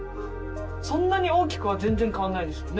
そんなに大きくは全然変わんないですよね